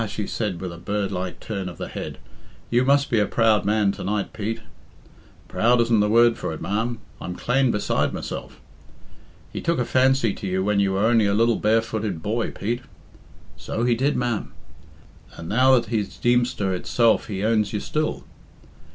she said, with a bird like turn of the head, "you must be a proud man to night, Pete." "Proud isn't the word for it, ma'am I'm clane beside myself." "He took a fancy to you when you were only a little barefooted boy, Pete." "So he did, ma'am." "And now that he's Deemster itself he owns you still."